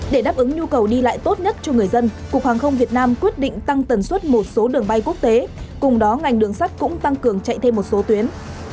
để đáp ứng nhu cầu đi lại tốt nhất cho người dân cục hàng không việt nam quyết định tăng tần suất một số đường bay quốc tế cùng đó ngành đường sắt cũng tăng cường chạy thêm một số tuyến